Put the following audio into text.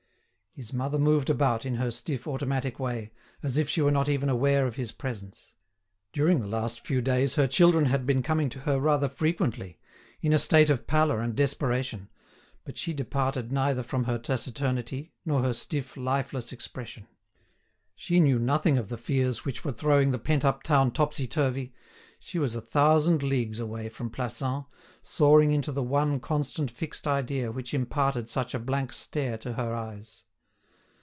His mother moved about, in her stiff, automatic way, as if she were not even aware of his presence. During the last few days her children had been coming to her rather frequently, in a state of pallor and desperation, but she departed neither from her taciturnity, nor her stiff, lifeless expression. She knew nothing of the fears which were throwing the pent up town topsy turvy, she was a thousand leagues away from Plassans, soaring into the one constant fixed idea which imparted such a blank stare to her eyes.